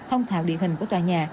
thông thạo địa hình của tòa nhà